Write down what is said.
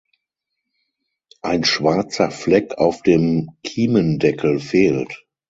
Ein schwarzer Fleck auf dem Kiemendeckel fehlt.